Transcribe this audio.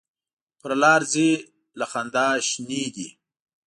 پر لار ځي له خندا شینې دي.